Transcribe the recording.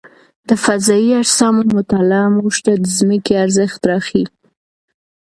د فضايي اجسامو مطالعه موږ ته د ځمکې ارزښت راښيي.